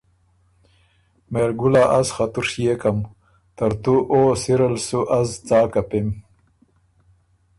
”مهرګلا از خه تُو ڒیېکم، ترتُو او سِرل سُو از څا کپِم؟“